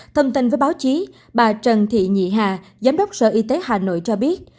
thầm tình với báo chí bà trần thị nhị hà giám đốc sở y tế hà nội cho biết